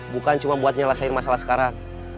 bukan cuma buat nyelesaikan masalah sekarang